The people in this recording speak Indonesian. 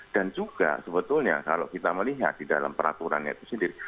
dan juga sebetulnya kalau kita melihat di dalam peraturannya itu sendiri